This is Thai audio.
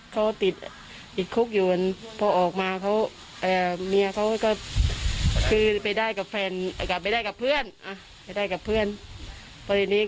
เขาติดคุกอยู่พอออกมาเมียเขาก็ไปได้กับเพื่อน